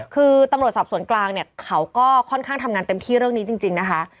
คือตำรวจสอบสวนกลางเนี่ยเขาก็ค่อนข้างทำงานเต็มที่เรื่องนี้จริงนะคะ